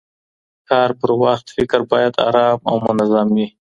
کار پر وخت فکر باید آرام او منظم وي.